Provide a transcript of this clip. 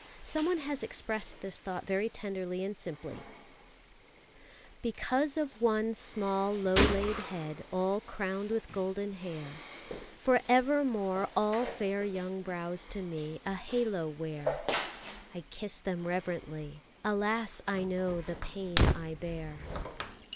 Someone has expressed this thought very tenderly and simply: Because of one small low laid head, all crowned With golden hair, For evermore all fair young brows to me A halo wear. I kiss them reverently. Alas, I know The pain I bear!